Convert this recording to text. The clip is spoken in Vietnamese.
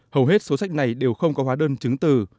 hầu hết số sách này đều không có hóa đơn chứng từ